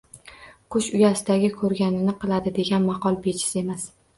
”Qush uyasidagi ko‘rganini qiladi’’, degan maqol bejiz emas